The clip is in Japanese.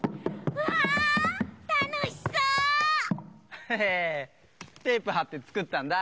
ヘヘッテープはってつくったんだ。